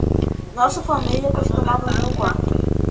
Nossa família costumava ver o quarto